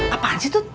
apaan sih itu